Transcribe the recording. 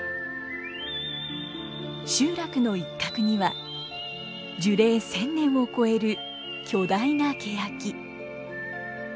集落の一角には樹齢１，０００年を超える巨大なケヤキ。